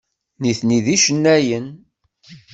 Nitni d icennayen.